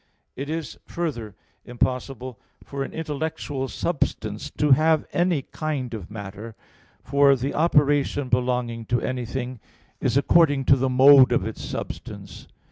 It is, further, impossible for an intellectual substance to have any kind of matter. For the operation belonging to anything is according to the mode of its substance.